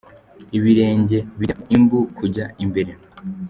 Ibirenge bijya imbu kujya imbere.